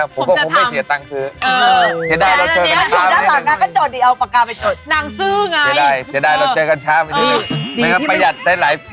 อันที่ทรงนั้นที่คุณตันยูเอ้า